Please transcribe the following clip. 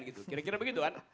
kira kira begitu kan